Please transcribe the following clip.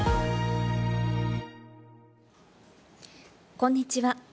こんにちは。